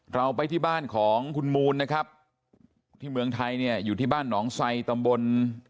เราไปที่บ้านของคุณมูลนะครับที่เมืองไทยเนี่ยอยู่ที่บ้านหนองไซตำบล